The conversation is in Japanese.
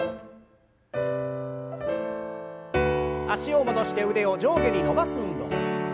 脚を戻して腕を上下に伸ばす運動。